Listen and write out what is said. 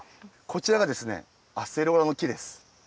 こちらがですねアセロラのきです。